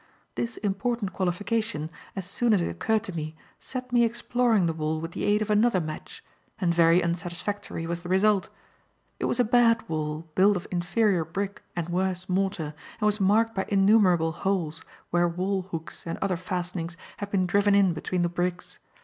This important qualification, as soon as it occurred to me, set me exploring the wall with the aid of another match; and very unsatisfactory was the result. It was a bad wall, built of inferior brick and worse mortar, and was marked by innumerable holes where wall hooks and other fastenings had been driven in between the bricks.